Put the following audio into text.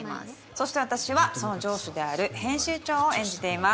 そして私はその上司である編集長を演じています。